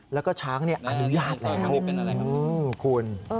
แล้วก็ช้างอนุญาตแล้วคุณ